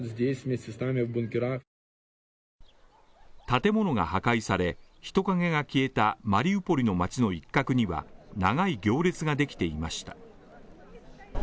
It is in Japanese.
建物が破壊され、人影が消えたマリウポリの街の一角には長い行列ができていました。